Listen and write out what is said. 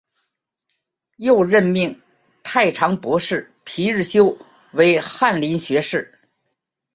又任命太常博士皮日休为翰林学士。